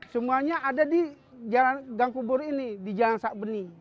semuanya ada di jalan gang kubur ini di jalan sabeni